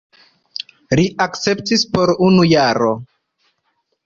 Li akceptis por unu jaro.